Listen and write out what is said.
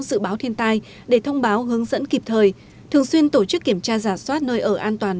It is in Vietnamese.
dự báo thiên tai để thông báo hướng dẫn kịp thời thường xuyên tổ chức kiểm tra giả soát nơi ở an toàn